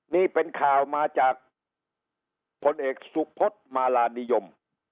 นี่เป็นข่าวมาจากพลเอกสุพศมาลานิยม